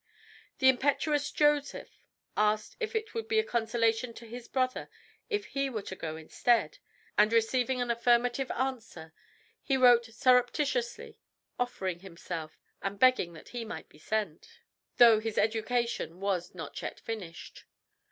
The impetuous Joseph asked if it would be a consolation to his brother if he were to go instead, and, receiving an affirmative answer, he wrote surreptitiously, offering himself, and begging that he might be sent, though his education was not yet finished.